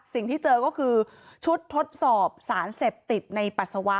สิ่งที่เจอก็คือชุดทดสอบสารเสพติดในปัสสาวะ